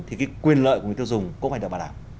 thì cái quyền lợi của người tiêu dùng cũng phải được bảo đảm